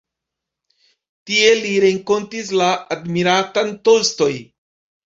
Tie li renkontis la admiratan Tolstoj.